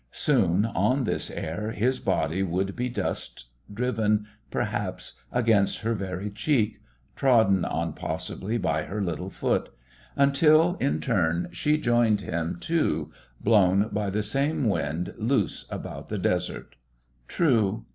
Soon, on this air, his body would be dust, driven, perhaps, against her very cheek, trodden on possibly by her little foot until, in turn, she joined him too, blown by the same wind loose about the desert. True.